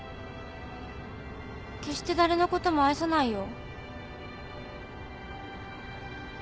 決して誰のことも愛さないよ。